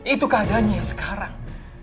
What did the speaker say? itu keadaannya sekarang